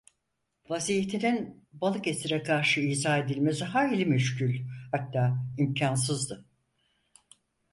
Vaziyetinin Balıkesir’e karşı izah edilmesi hayli müşkül, hatta imkânsızdı.